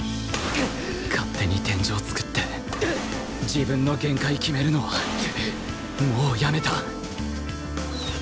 勝手に天井作って自分の限界決めるのはもうやめた！